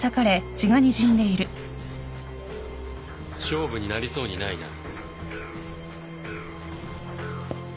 勝負になりそうにないな。